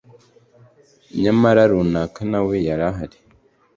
nyamara runaka nawe yarahari